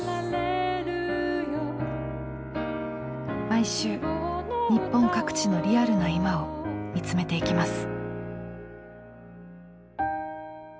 毎週日本各地のリアルな今を見つめていきます。